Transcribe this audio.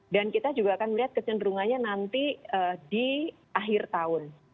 dan kita juga akan melihat kecenderungannya nanti di akhir tahun